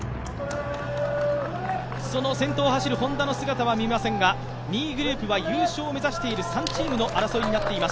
その先頭を走るＨｏｎｄａの姿は見えませんが２位グループは優勝を目指している３チームの争いになっています。